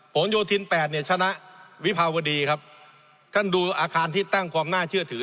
โยธินแปดเนี่ยชนะวิภาวดีครับท่านดูอาคารที่ตั้งความน่าเชื่อถือ